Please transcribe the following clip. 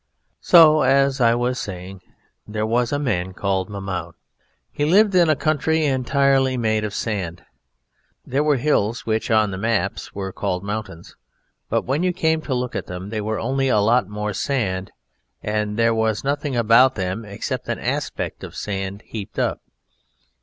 So, as I was saying, there was a man called Mahmoud. He lived in a country entirely made of sand. There were hills which on the maps were called mountains, but when you came to look at them they were only a lot more sand, and there was nothing about them except an aspect of sand heaped up.